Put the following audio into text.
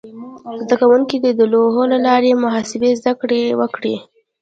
زده کوونکي د لوحو له لارې د محاسبې زده کړه وکړه.